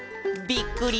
「びっくり！